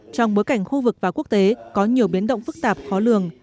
trong bối cảnh khu vực và quốc tế có nhiều biến động phức tạp khó lường